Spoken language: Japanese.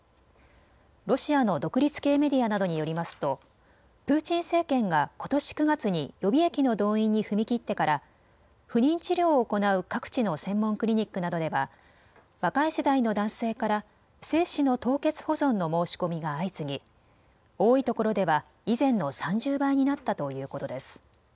ロシアの独立系メディアなどによりますとプーチン政権がことし９月に予備役の動員に踏み切ってから不妊治療を行う各地の専門クリニックなどでは若い世代の男性から精子の凍結保存の申し込みが相次ぎ多いところでは以前の３０倍になったということです。